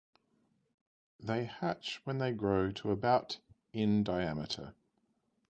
They hatch when they grow to about in diameter.